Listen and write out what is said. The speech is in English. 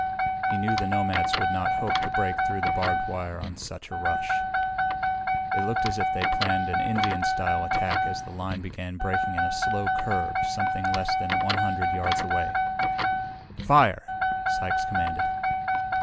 He knew the nomads would not hope to break through the barbed wire on such a rush. It looked as if they planned an Indian style attack as the line began breaking in a slow curve something less than 100 yards away. "Fire!" Sykes commanded.